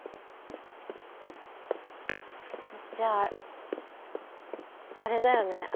じゃああれだよね